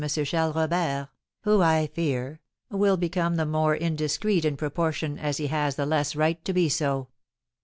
Charles Robert, who, I fear, will become the more indiscreet in proportion as he has the less right to be so.